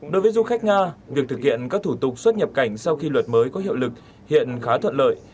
đối với du khách nga việc thực hiện các thủ tục xuất nhập cảnh sau khi luật mới có hiệu lực hiện khá thuận lợi